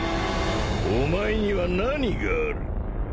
お前には何がある？